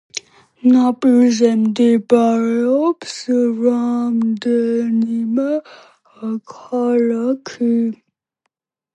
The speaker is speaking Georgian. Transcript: ნაპირზე მდებარეობს რამდენიმე ქალაქი.